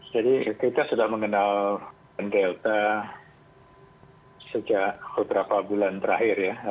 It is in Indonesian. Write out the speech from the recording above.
jadi kita sudah mengenal delta sejak beberapa bulan terakhir ya